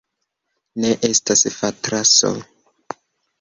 Ne estas fatraso.